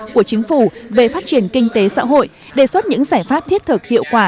của chính phủ về phát triển kinh tế xã hội đề xuất những giải pháp thiết thực hiệu quả